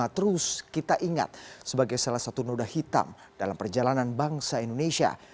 terus kita ingat sebagai salah satu noda hitam dalam perjalanan bangsa indonesia